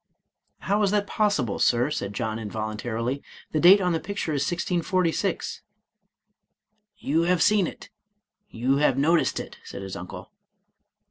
" How is that possible. Sir ?" said John involuntarily, " the date on the picture is 1646." " You have seen it, — ^you have noticed it," said his uncle.